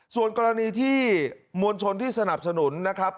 ส่วนกรณีที่มวลชนที่สนับสนุนนะครับ